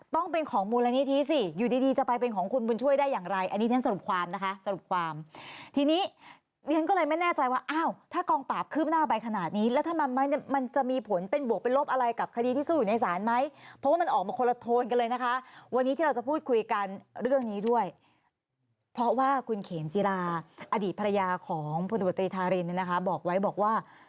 ต้องเป็นของหมู่ลณิธิสิอยู่ดีจะไปเป็นของคุณบุญช่วยได้อย่างไรอันนี้แทนสรุปความนะคะสรุปความทีนี้ดิฉันก็เลยไม่แน่ใจว่าอ้าวถ้ากองปราบคืบหน้าไปขนาดนี้แล้วถ้ามันมันจะมีผลเป็นบวกเป็นลบอะไรกับคดีที่สู้อยู่ในศาลไหมเพราะว่ามันออกมาคนละโทนกันเลยนะคะวันนี้ที่เราจะพูดคุยกันเรื่องนี้ด้วยเพราะว